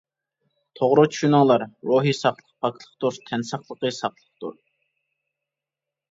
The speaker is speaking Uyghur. توغرا چۈشىنىڭلار. روھى ساقلىق پاكلىقتۇر، تەن ساقلىقى ساقلىقتۇر.